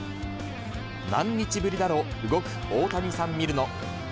何日ぶりだろ、動く大谷さん見るの。